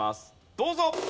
どうぞ！